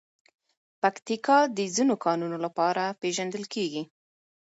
پکتیکا د ځینو کانونو لپاره پېژندل کېږي.